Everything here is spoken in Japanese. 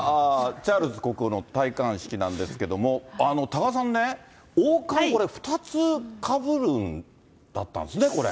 チャールズ国王の戴冠式なんですが、多賀さんね、王冠、これ２つかぶるんだったんですね、これね。